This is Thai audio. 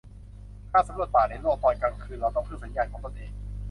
การสำรวจป่าในโลก ตอนกลางคืน เราต้องพึ่งสัญญาณของตนเอง